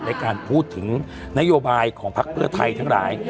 ในการพูดถึงนโยบายของพักเพื่อไทยทั้งหลาย